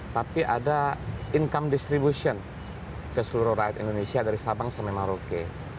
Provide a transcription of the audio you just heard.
tapi ada income distribution ke seluruh rakyat indonesia dari sabang sampai maroke